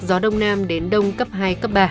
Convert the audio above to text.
gió đông nam đến đông cấp hai cấp ba